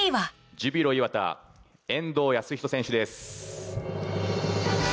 ジュビロ磐田遠藤保仁選手です。